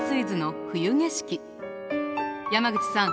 山口さん